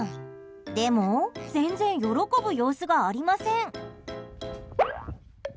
でも、全然喜ぶ様子がありません。